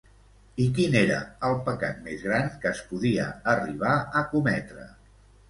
I quin era el pecat més gran que es podia arribar a cometre?